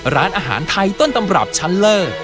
ร้านอาหารไทยต้นตำรับชั้นเลอร์